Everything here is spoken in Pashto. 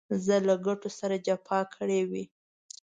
زه له ګټو سره جفا کړې وي.